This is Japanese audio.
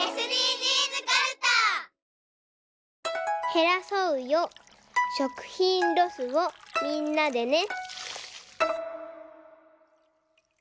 「へらそうよ食品ロスをみんなでね」。